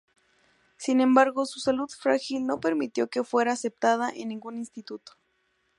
Sin embargo su salud frágil no permitió que fuera aceptada en ningún instituto.